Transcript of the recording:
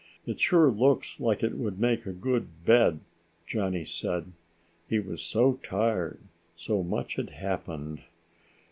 "It sure looks like it would make a good bed," Johnny said. He was so tired; so much had happened.